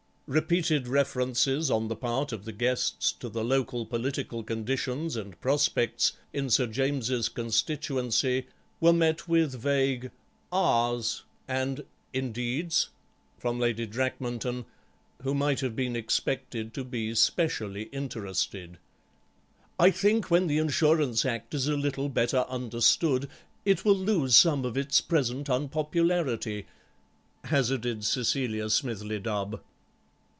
Repeated references on the part of the guests to the local political conditions and prospects in Sir James's constituency were met with vague "ahs" and "indeeds" from Lady Drakmanton, who might have been expected to be specially interested. "I think when the Insurance Act is a little better understood it will lose some of its present unpopularity," hazarded Cecilia Smithly Dubb.